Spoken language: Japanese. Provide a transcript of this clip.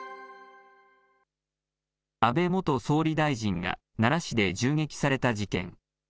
安倍元総理大臣が奈良市で銃撃された事件。